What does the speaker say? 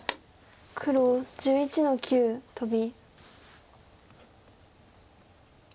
黒１１の九トビ。